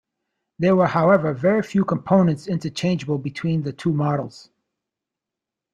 There were however very few components interchangeable between the two models.